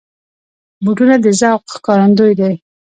بوټونه د ذوق ښکارندوی دي.